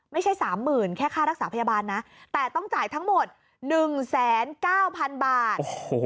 ไม่ใช่๓๐๐๐แค่ค่ารักษาพยาบาลนะแต่ต้องจ่ายทั้งหมด๑๙๐๐๐บาท